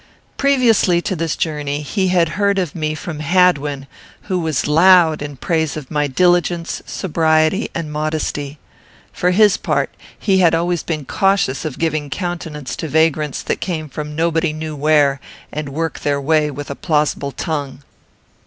Previously to this journey, he had heard of me from Hadwin, who was loud in praise of my diligence, sobriety, and modesty. For his part, he had always been cautious of giving countenance to vagrants that came from nobody knew where, and worked their way with a plausible tongue.